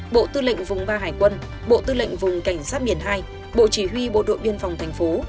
bộ tư lệnh vùng ba hải quân bộ tư lệnh vùng cảnh sát biển hai bộ chỉ huy bộ đội biên phòng thành phố